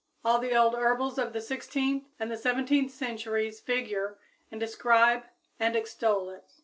All the old herbals of the sixteenth and the seventeenth centuries figure and describe and extol it.